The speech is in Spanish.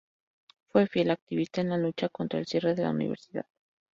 Fue fiel activista en la lucha contra el cierre de la Universidad.